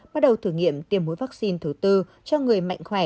bắt đầu thử nghiệm tiêm mũi vaccine thứ tư cho người mạnh khỏe